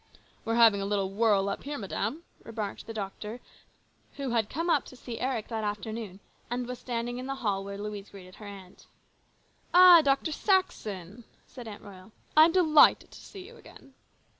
"We're having a little 'whirl' up here, madam," remarked the doctor, who had come up to see Eric that afternoon, and was standing in the hall where Louise greeted her aunt. "Ah, Dr. Saxon!" said Aunt Royal. "I am delighted to see you again."